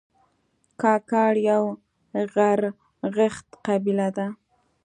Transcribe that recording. کاکړ یو غرغښت قبیله ده